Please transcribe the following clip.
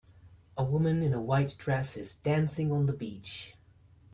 A woman in a white dress is dancing on the beach.